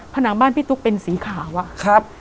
ผนังบ้านพี่ตุ๊กเป็นสีขาวอะครับ